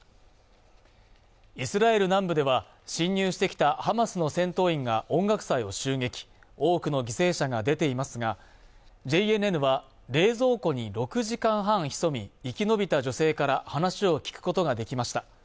イスラエル南部では侵入してきたハマスの戦闘員が音楽祭を襲撃多くの犠牲者が出ていますがＪＮＮは冷蔵庫に６時間半潜み生き延びた女性から話を聞くことができました